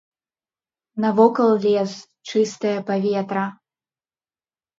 Навокал лес, чыстае паветра.